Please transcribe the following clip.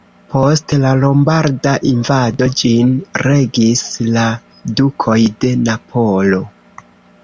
Post la lombarda invado ĝin regis la dukoj de Napolo.